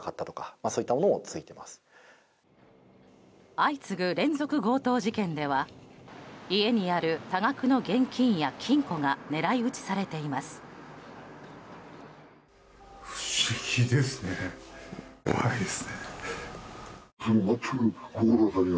相次ぐ連続強盗事件では家にある多額の現金や金庫が狙い撃ちされています。